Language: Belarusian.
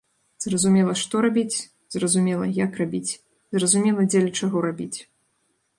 Зразумела што рабіць, зразумела як рабіць, зразумела дзеля чаго рабіць.